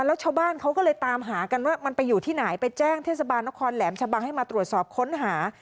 แล้วชาวบ้านเขาก็เลยตามหากันว่ามันไปอยู่ที่ไหนไปแจ้งเทศบาลนครแหลมชะบังให้มาตรวจสอบค้นหา